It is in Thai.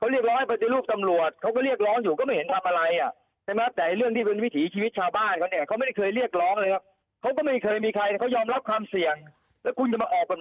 อะไรกับเขาผมไม่เข้าใจผมยกตัวอยากเอาคนอ่ะคนทำอาชีพนะครับ